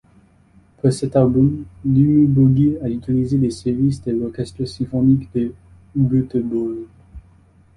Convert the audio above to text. Pour cet album, Dimmu Borgir a utilisé les services de l'orchestre symphonique de Göteborg.